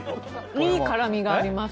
いい辛みがあります。